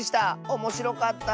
おもしろかった。